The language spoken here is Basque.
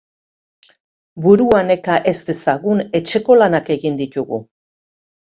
Burua neka ez dezagun, etxeko lanak egin ditugu.